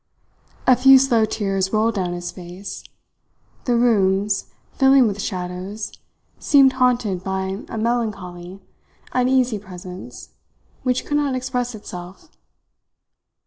A few slow tears rolled down his face. The rooms, filling with shadows, seemed haunted by a melancholy, uneasy presence which could not express itself.